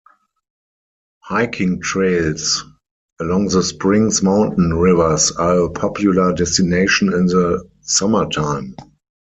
Hiking trails along the spring's mountain rivers are a popular destination in the summertime.